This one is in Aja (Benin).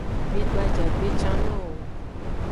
Mido ajagbe can nowo.